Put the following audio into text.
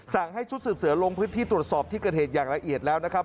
ให้ชุดสืบเสือลงพื้นที่ตรวจสอบที่เกิดเหตุอย่างละเอียดแล้วนะครับ